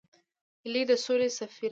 هیلۍ د سولې سفیره ده